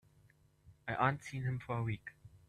I ain't seen him for a week.